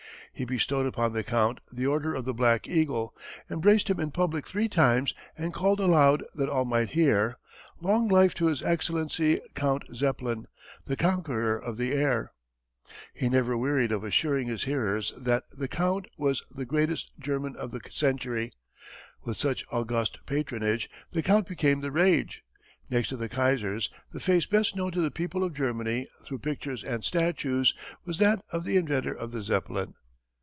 He bestowed upon the Count the Order of the Black Eagle, embraced him in public three times, and called aloud that all might hear, "Long life to his Excellency, Count Zeppelin, the Conqueror of the Air." He never wearied of assuring his hearers that the Count was the "greatest German of the century." With such august patronage the Count became the rage. Next to the Kaiser's the face best known to the people of Germany, through pictures and statues, was that of the inventor of the Zeppelin.